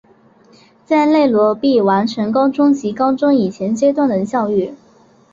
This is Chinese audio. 在内罗毕完成高中及高中以前阶段的教育。